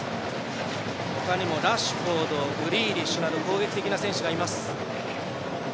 他にもラッシュフォードやグリーリッシュなど攻撃的な選手がいます。